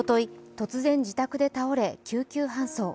突然自宅で倒れ救急搬送。